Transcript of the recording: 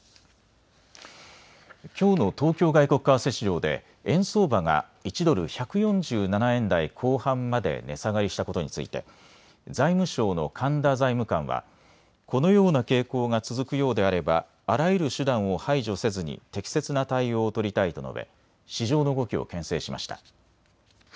きょうの東京外国為替市場で円相場が１ドル１４７円台後半まで値下がりしたことについて財務省の神田財務官はこのような傾向が続くようであれば、あらゆる手段を排除せずに適切な対応を取りたいと述べ市場の動きをけん制しました。